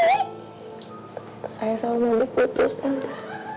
saya sama mondi putus tante